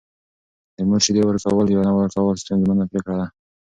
د مور شیدې ورکول یا نه ورکول ستونزمنه پرېکړه ده.